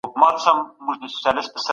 ځينې خلګ د دين ناسم تعبير کوي.